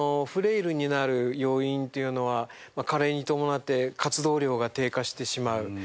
フレイルになる要因っていうのは加齢にともなって活動量が低下してしまう。